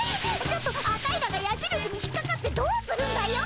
ちょっとアタイらがやじるしに引っかかってどうするんだよ。